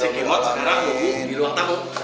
si kimot sekarang di ruang tamu